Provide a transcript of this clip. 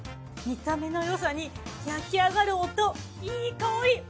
見た目のよさに焼き上がる音いい香り